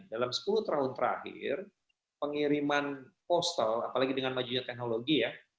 dalam sepuluh tahun terakhir pengiriman postal apalagi dengan majunya teknologi ya